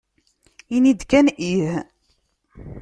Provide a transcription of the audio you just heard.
Ini-d kan ih!